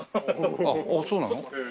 あっそうなの？